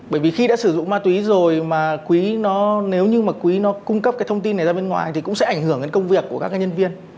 bởi vì khi đã sử dụng ma túy rồi mà nếu như quý cung cấp thông tin này ra bên ngoài thì cũng sẽ ảnh hưởng đến công việc của các nhân viên